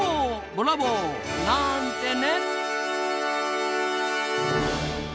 ボラボー！なんてね。